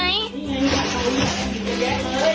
นี่ไง